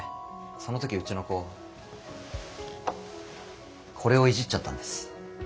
その時うちの子これをいじっちゃったんです。